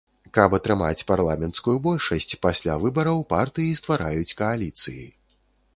Каб атрымаць парламенцкую большасць, пасля выбараў партыі ствараюць кааліцыі.